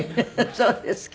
そうですか。